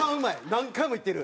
何回も行ってる。